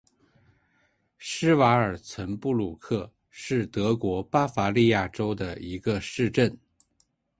施瓦尔岑布鲁克是德国巴伐利亚州的一个市镇。